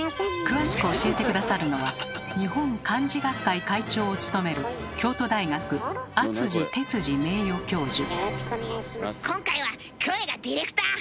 詳しく教えて下さるのは日本漢字学会会長を務める今回はキョエがディレクター！